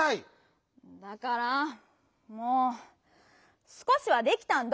だからもう「すこしはできた」んだって！